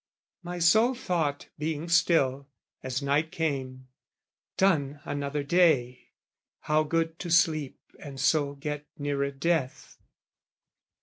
my sole thought Being still, as night came, "Done, another day! "How good to sleep and so get nearer death!"